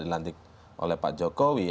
dilantik oleh pak jokowi